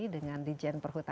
dengan dijen perhutanan